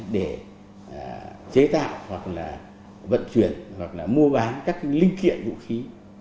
để chế tạo hoặc là vận chuyển hoặc là mua bán các linh kiện vũ khí